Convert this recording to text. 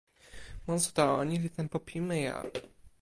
monsuta o, ni li tenpo pimeja.